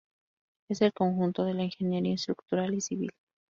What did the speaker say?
Es el conjunto de la ingeniería estructural y civil.